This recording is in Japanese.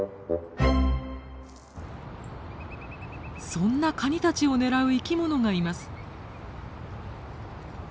そんなカニたちを狙う生き物がいます。